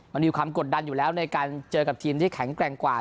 มันมีความกดดันอยู่แล้วในการเจอกับทีมที่แข็งแกร่งกว่า